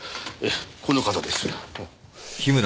この方です。